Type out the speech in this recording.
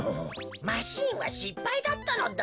マシーンはしっぱいだったのだ。